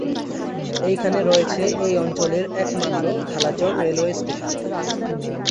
এইখানে রয়েছে এই অঞ্চলের একমাত্র ঢালারচর রেলওয়ে স্টেশন।